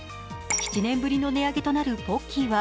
７年ぶりの値上げとなるポッキーは